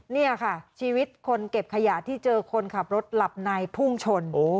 นี่ค่ะชีวิตคนเก็บขยะที่เจอคนขับรถหลับในพุ่งชน